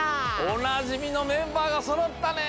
おなじみのメンバーがそろったね！